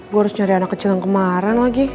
gue harus nyari anak kecil yang kemarin lagi